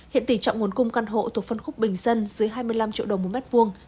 hiện tỷ trọng nguồn cung căn hộ thuộc phân khúc bình dân dưới hai mươi năm triệu đồng mỗi mét vuông